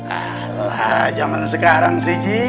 alah zaman sekarang sih ji